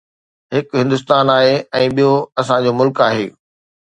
: هڪ هندستان آهي ۽ ٻيو اسان جو ملڪ آهي.